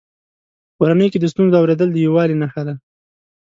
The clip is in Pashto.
په کورنۍ کې د ستونزو اورېدل د یووالي نښه ده.